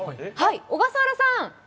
小笠原さん。